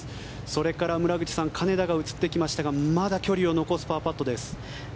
それから村口さん金田が映ってきましたがまだ距離を残すパーパットです。